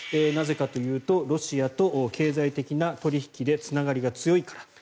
なぜかというとロシアと経済的な取引でつながりが強いから。